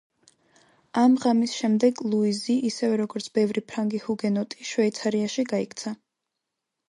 ამ ღამის შემდეგ ლუიზი, ისევე როგორც ბევრი ფრანგი ჰუგენოტი შვეიცარიაში გაიქცა.